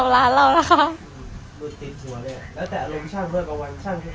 แล้วใครเป็นชั่ง